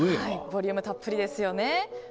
ボリュームたっぷりですよね。